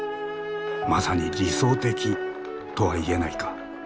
「まさに理想的」とは言えないか？